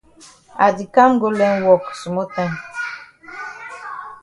I di kam go learn wok small time.